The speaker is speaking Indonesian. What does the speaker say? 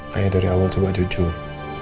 kayaknya dari awal coba jujur